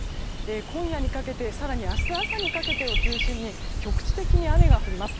今夜にかけて更に、明日朝にかけて局地的に雨が降ります。